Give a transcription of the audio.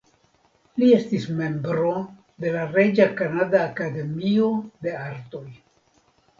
Li estis membro de la Reĝa Kanada Akademio de Artoj.